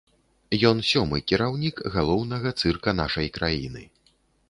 Ён сёмы кіраўнік галоўнага цырка нашай краіны.